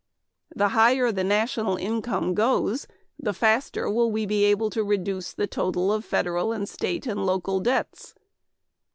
The higher the national income goes the faster will we be able to reduce the total of federal and state and local debts.